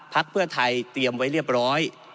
พักเพื่อไทยเตรียมไว้เรียบร้อย